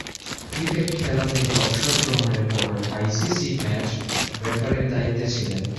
Cricket খেলা থেকে অবসর গ্রহণের পর আইসিসি ম্যাচ রেফারির দায়িত্বে ছিলেন।